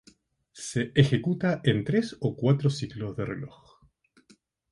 Se ejecuta en tres o cuatro ciclos de reloj.